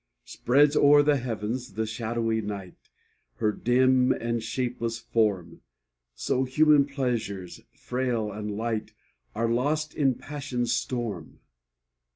Spreads o'er the heavens the shadowy night Her dim and shapeless form, So human pleasures, frail and light, Are lost in passion's storm.